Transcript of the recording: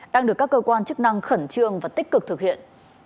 đang được các cơ quan chức năng khẩn trương và tích cực thực hiện